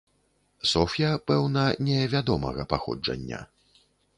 Соф'я, пэўна не вядомага паходжання.